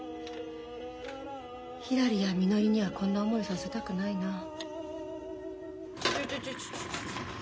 ひらりやみのりにはこんな思いさせたくないな。ちょちょちょ。